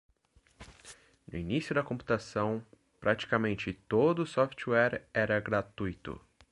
No início da computação, praticamente todo o software era gratuito.